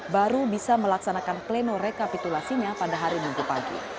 baru bisa melaksanakan pleno rekapitulasinya pada hari minggu pagi